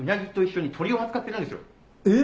えっ？